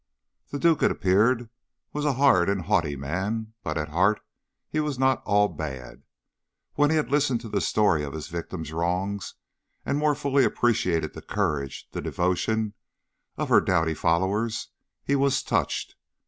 The duke, it appeared, was a hard and haughty man, but at heart he was not all bad; when he had listened to the story of his victim's wrongs and more fully appreciated the courage, the devotion of her doughty followers, he was touched.